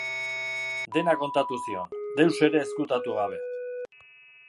Dena kontatu zion, deus ere ezkutatu gabe.